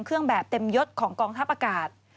เครื่องแบบเต็มยดของกองทัพอากาศ